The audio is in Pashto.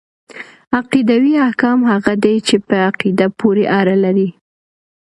عقيدوي احکام هغه دي چي په عقيدې پوري اړه لري .